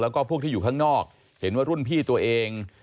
แล้วก็พวกที่อยู่ข้างนอกเห็นว่ารุ่นพี่ตัวเอง